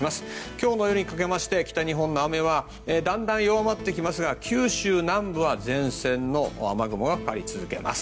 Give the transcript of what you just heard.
今日の夜にかけまして北日本の雨はだんだん弱まってきますが九州南部は前線の雨雲がかかり続けます。